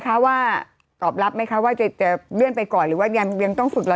คือยังยังไม่ได้ตอบรับหรือเปล่ายังไม่ได้ตอบรับหรือเปล่าคือยังไม่ได้ตอบรับหรือเปล่า